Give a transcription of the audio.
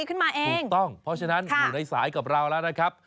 คุณตาก็ต้องสอนทุกวิชานะครับ